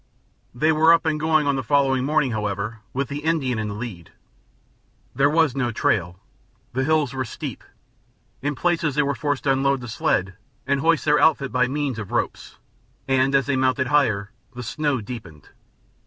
They were up and going on the following morning, however, with the Indian in the lead. There was no trail; the hills were steep; in places they were forced to unload the sled and hoist their outfit by means of ropes, and as they mounted higher the snow deepened.